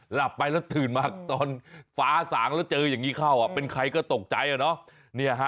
หลับไปแล้วตื่นมาตอนฟ้าสางแล้วเจออย่างนี้เข้าเป็นใครก็ตกใจอะเนาะ